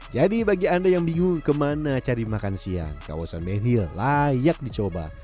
jadi bagi anda yang bingung kemana cari makan siang kawasan benhil layak dicoba